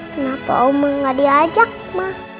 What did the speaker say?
kenapa oma gak diajak ma